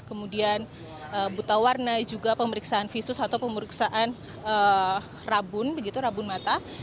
kemudian buta warna juga pemeriksaan visus atau pemeriksaan rabun begitu rabun mata